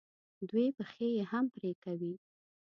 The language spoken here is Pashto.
دوی پښې یې هم پرې کوي.